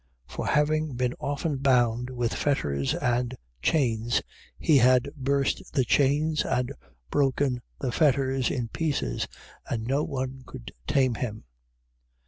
5:4. For having been often bound with fetters and chains, he had burst the chains, and broken the fetters in pieces, and no one could tame him.